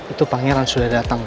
itu pak erang sudah dateng pak